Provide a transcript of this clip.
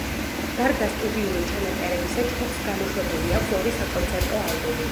გარდა სტუდიური ჩანაწერებისა, ჯგუფს გამოშვებული აქვს ორი საკონცერტო ალბომი.